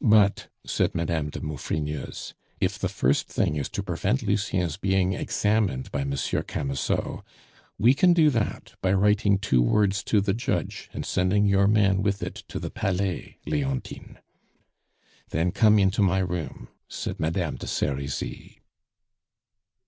"But," said Madame de Maufrigneuse, "if the first thing is to prevent Lucien's being examined by Monsieur Camusot, we can do that by writing two words to the judge and sending your man with it to the Palais, Leontine." "Then come into my room," said Madame de Serizy.